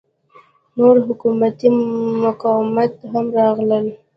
نور حکومتي مقامات هم راغلل.